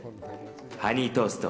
ハニートースト。